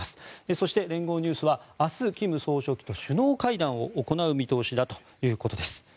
そして、聯合ニュースは明日、金総書記と首脳会談を行う見通しだということです。